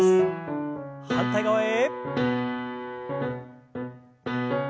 反対側へ。